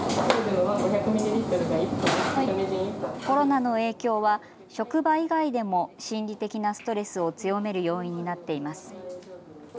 コロナの影響は職場以外でも心理的なストレスを強める要因になっています。